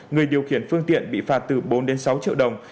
người điều khiển phương tiện bị phạt từ bốn sáu triệu đồng